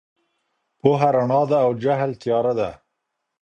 پوهه رڼا ده او جهل تياره ده.